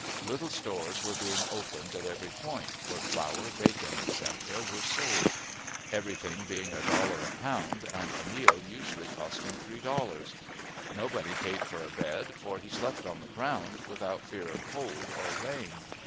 Little stores were being opened at every point, where flour, bacon, etc., were sold; every thing being a dollar a pound, and a meal usually costing three dollars. Nobody paid for a bed, for he slept on the ground, without fear of cold or rain.